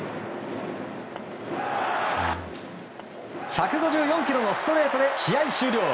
１５４キロのストレートで試合終了。